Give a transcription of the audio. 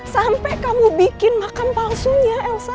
sampai kamu bikin makan palsunya elsa